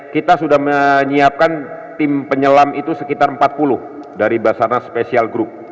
kita sudah menyiapkan tim penyelam itu sekitar empat puluh dari basarnas special group